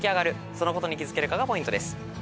そのことに気付けるかがポイントです。